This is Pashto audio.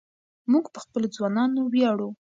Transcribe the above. موږ په خپلو ځوانانو ویاړو.